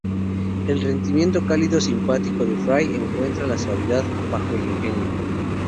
El rendimiento cálido simpático de Fry encuentra la suavidad bajo el ingenio.